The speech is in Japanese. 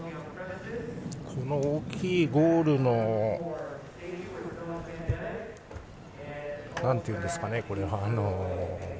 この大きいゴールのなんていうんですかね。